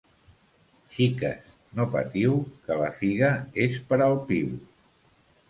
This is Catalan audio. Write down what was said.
Xiques, no patiu, que la figa és per al piu.